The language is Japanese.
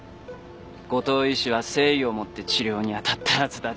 五島医師は誠意をもって治療にあたったはずだ」